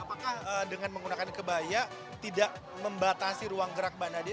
apakah dengan menggunakan kebaya tidak membatasi ruang gerak banade